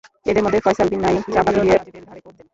এঁদের মধ্যে ফয়সাল বিন নাইম চাপাতি দিয়ে রাজীবের ঘাড়ে কোপ দেন।